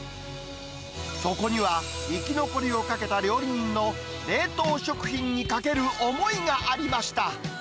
そこには、生き残りをかけた料理人の冷凍食品にかける思いがありました。